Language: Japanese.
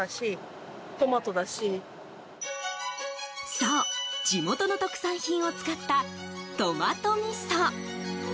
そう、地元の特産品を使ったとまとみそ。